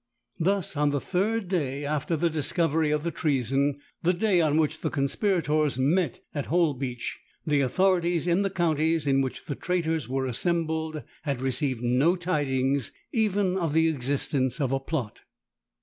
Thus on the third day after the discovery of the treason—the day on which the conspirators met at Holbeach—the authorities in the counties, in which the traitors were assembled, had received no tidings even of the existence of a plot.